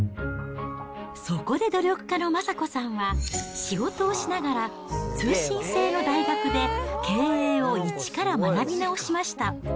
そこで努力家の昌子さんは、仕事をしながら、通信制の大学で経営を一から学び直しました。